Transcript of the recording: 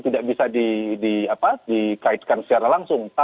tidak bisa dikaitkan secara langsung